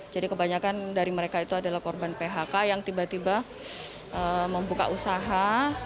kebanyakan dari mereka itu adalah korban phk yang tiba tiba membuka usaha